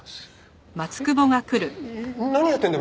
何やってるんだ？